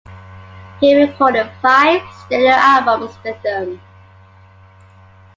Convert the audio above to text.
He recorded five studio albums with them.